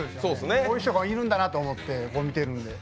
こういう人がいるんだなと思って見てるんで。